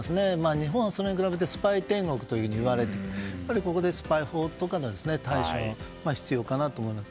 日本はそれに比べてスパイ天国といわれているのでここでスパイ法とかの対処が必要かなと思います。